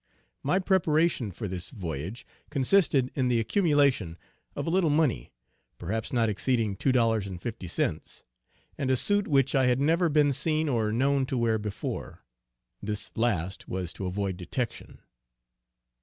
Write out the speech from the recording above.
My preparation for this voyage consisted in the accumulation of a little money, perhaps not exceeding two dollars and fifty cents, and a suit which I had never been seen or known to wear before; this last was to avoid detection.